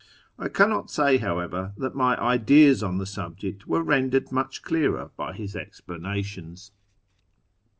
I cannot say, however, that my ideas on the subject were rendered much clearer by his explanations.